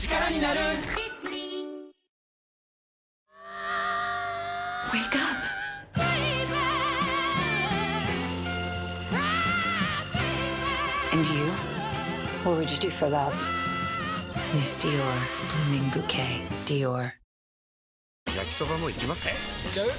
えいっちゃう？